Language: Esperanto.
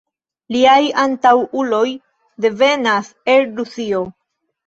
Liaj antaŭuloj devenas el Rusio.